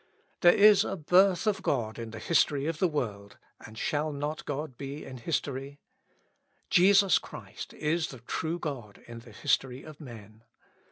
There is a birth of God in the history of the world, and shall God not be in history? Jesus Christ is the true God in the history of men.